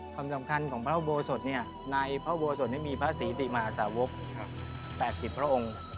ความสำคัญของพระอุโบสถในพระอุโบสถนี้มีพระศรีติมหาสาวก๘๐พระองค์